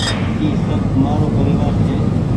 اي سب مآرو پريوآر ڇي ۔